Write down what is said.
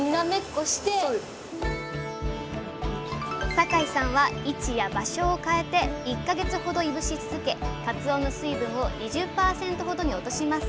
坂井さんは位置や場所を変えて１か月ほどいぶし続けかつおの水分を２０％ほどに落とします。